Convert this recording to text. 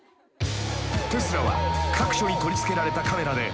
［テスラは各所に取り付けられたカメラで］